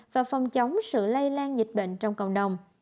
và phòng chống sự lây lan dịch bệnh trong cộng đồng